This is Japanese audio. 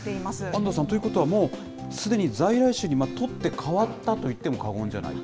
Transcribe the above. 安藤さん、ということは、すでに在来種に取って代わったといっても過言じゃない？